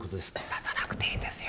立たなくていいんですよ